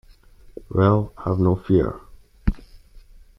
Well, have no fear.